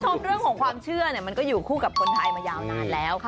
คุณผู้ชมเรื่องของความเชื่อมันก็อยู่คู่กับคนไทยมายาวนานแล้ว